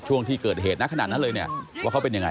ช่วงที่เกิดเหตุขนาดนั้นเลยว่าเขาเป็นอย่างไร